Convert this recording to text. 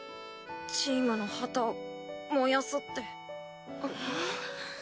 チームの旗を燃やすって。